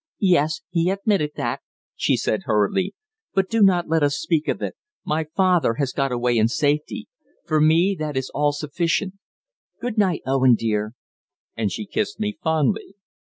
"Yes, he admitted that," she said hurriedly. "But do not let us speak of it. My father has got away in safety. For me that is all sufficient. Good night, Owen, dear." And she kissed me fondly.